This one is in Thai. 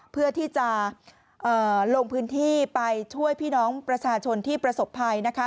เพื่อที่จะลงพื้นที่ไปช่วยพี่น้องประชาชนที่ประสบภัยนะคะ